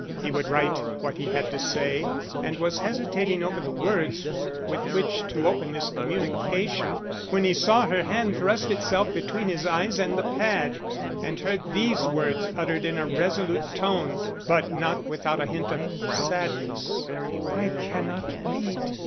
He would write what he had to say, and was hesitating over the words with which to open this communication, when he saw her hand thrust itself between his eyes and the pad, and heard these words uttered in a resolute tone, but not without a hint of sadness: "I cannot read.